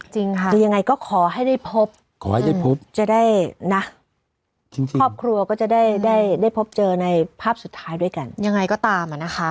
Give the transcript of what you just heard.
จริงค่ะคือยังไงก็ขอให้ได้พบขอให้ได้พบจะได้นะครอบครัวก็จะได้ได้พบเจอในภาพสุดท้ายด้วยกันยังไงก็ตามอ่ะนะคะ